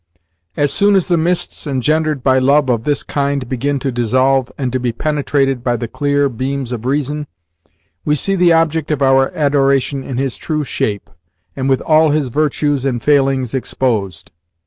As soon as the mists engendered by love of this kind begin to dissolve, and to be penetrated by the clear beams of reason, we see the object of our adoration in his true shape, and with all his virtues and failings exposed.